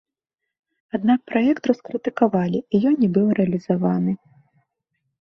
Аднак праект раскрытыкавалі, і ён не быў рэалізаваны.